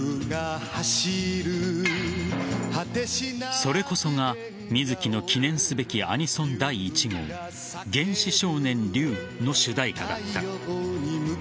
それこそが水木の記念すべきアニソン第１号「原始少年リュウ」の主題歌だった。